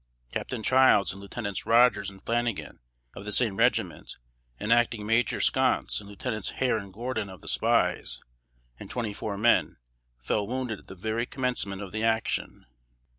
Captain Childs, and Lieutenants Rogers and Flanagan, of the same regiment, and Acting Major Sconce, and Lieutenants Hare and Gordon of the spies, and twenty four men, fell wounded at the very commencement of the action.